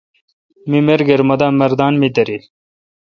می ملگر مہ دا مردان می دیرل۔